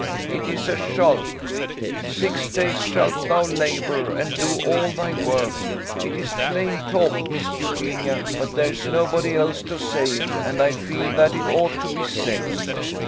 " It is a shalt. f Six days shalt thou labour and do all thy work.' It is plain talk, Miss Eugenia, but there's nobody else to say it, and I feel that it ought to be said.